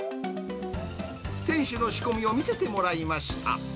店主の仕込みを見せてもらいました。